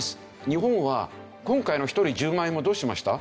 日本は今回の１人１０万円もどうしました？